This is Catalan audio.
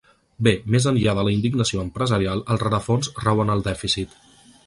Bé, més enllà de la indignació empresarial, el rerefons rau en el dèficit.